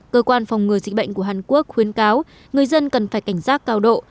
cơ quan phòng ngừa dịch bệnh của hàn quốc khuyến cáo người dân cần phải cảnh giác cao độ